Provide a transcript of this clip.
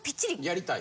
やりたい？